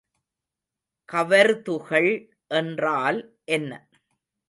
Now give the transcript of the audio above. கவர்துகள் என்றால் என்ன?